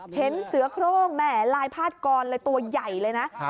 เห็นเสือกรมแหมลายผ้าตอนตัวใหญ่นี่นะ